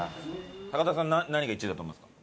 高田さん何が１位だと思いますか？